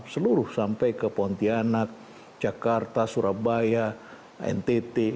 seluruh sampai ke pontianak jakarta surabaya ntt